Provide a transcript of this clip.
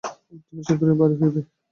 তুমি শীঘ্রই বাড়ি ফিরবে।